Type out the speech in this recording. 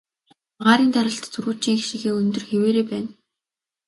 Агаарын даралт түрүүчийнх шигээ өндөр хэвээрээ байна.